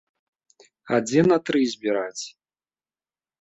А дзе на тры збіраць?